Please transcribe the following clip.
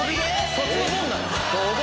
そっちの「ボン」なの⁉